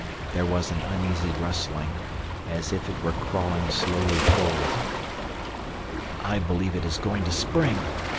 There was an uneasy rustling, as if it were crawling slowly forward. "I believe it is going to spring!"